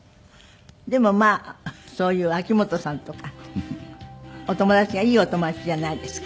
でもまあそういう秋元さんとかお友達がいいお友達じゃないですか。